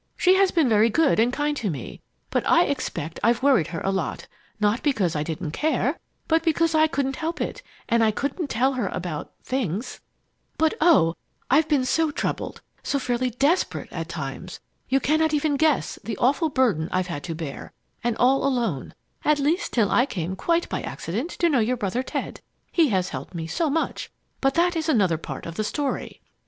She has been very good and kind to me, but I expect I've worried her a lot, not because I didn't care, but because I couldn't help it and I couldn't tell her about things! "But, oh! I have been so troubled so fairly desperate, at times! You cannot even guess the awful burden I've had to bear and all alone, at least till I came quite by accident to know your brother Ted. He has helped me so much but that is another part of the story!